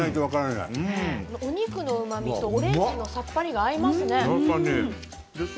お肉のうまみとオレンジのさっぱりが合いますね。